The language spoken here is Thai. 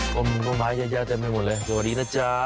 อืมป้องไม้แย่แบบมานี่เลยสวัสดีนะจ๊ะ